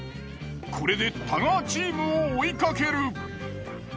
これで太川チームを追いかける。